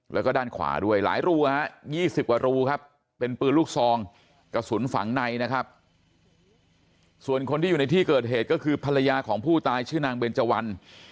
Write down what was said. แล้วก็ด้านขวาด้วยหลายรูฮะ๒๐กว่ารูครับเป็นปืนลูกซองกระสุนฝังในนะครับส่วนคนที่อยู่ในที่เกิดเหตุก็คือภรรยาของผู้ตายชื่อนางเบนเจวัน